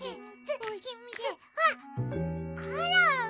あっコロン。